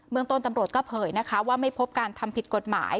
เมืองต้นตำรวจก็เผยนะคะว่าไม่พบการทำผิดกฎหมาย